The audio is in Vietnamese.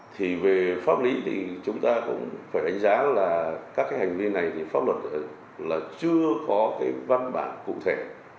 thì về pháp lý thì chúng ta cũng phải đánh giá là các cái hành vi này thì pháp luật là chưa có cái văn bản cụ thể